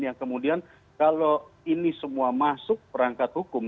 yang kemudian kalau ini semua masuk perangkat hukum